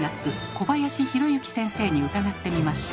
小林弘幸先生に伺ってみました。